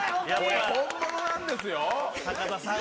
これ本物なんですよ。